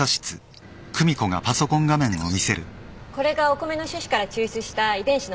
これがお米の種子から抽出した遺伝子の配列です。